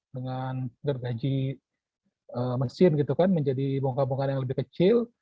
dengan bergaji mesin gitu kan menjadi bongkar bongkaran yang lebih kecil